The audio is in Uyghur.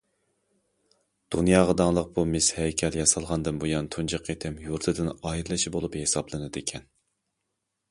دۇنياغا داڭلىق بۇ مىس ھەيكەل ياسالغاندىن بۇيان تۇنجى قېتىم يۇرتىدىن ئايرىلىشى بولۇپ ھېسابلىنىدىكەن.